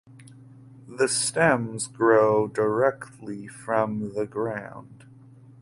The stems grow directly from the ground.